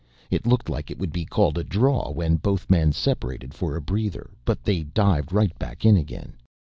It looked like it would be called a draw when both men separated for a breather, but they dived right back in again.